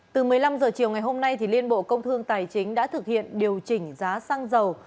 từ một mươi năm h chiều ngày hôm nay liên bộ công thương tài chính đã thực hiện điều chỉnh giá xăng dầu